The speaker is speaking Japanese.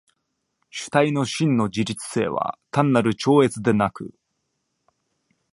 主体の真の自律性は単なる超越でなく、